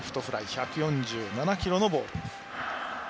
１４７キロのボール。